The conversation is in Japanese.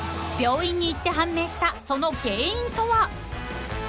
［病院に行って判明したその原因とは？］